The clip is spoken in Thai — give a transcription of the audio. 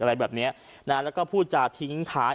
อะไรแบบเนี้ยนะแล้วก็พูดจาทิ้งท้าย